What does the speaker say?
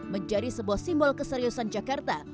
menjadi sebuah simbol keseriusan jakarta